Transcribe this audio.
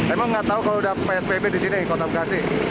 emang nggak tahu kalau udah psbb di sini kota bekasi